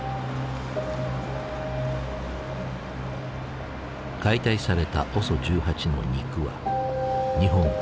解体されたＯＳＯ１８の肉は日本各地に流通した。